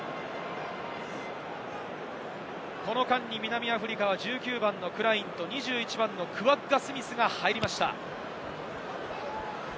この間に南アフリカは１９番のクラインと、２１番のクワッガ・スミスが入りました。